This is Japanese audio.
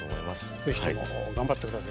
是非とも頑張ってください。